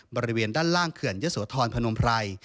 บริเวณด้านล่างเขื่อนยะโสธรพนมไพร